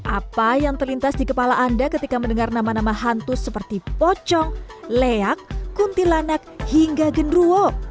apa yang terlintas di kepala anda ketika mendengar nama nama hantu seperti pocong leak kuntilanak hingga genruwo